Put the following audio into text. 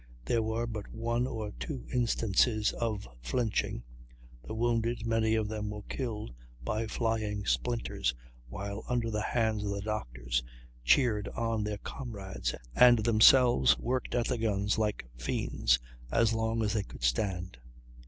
There were but one or two instances of flinching; the wounded, many of whom were killed by flying splinters while under the hands of the doctors, cheered on their comrades, and themselves worked at the guns like fiends as long as they could stand.